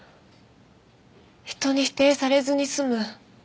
人に否定されずに済む。